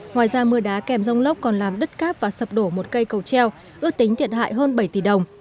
ngoài ra mưa đá kèm rông lốc còn làm đứt cáp và sập đổ một cây cầu treo ước tính thiệt hại hơn bảy tỷ đồng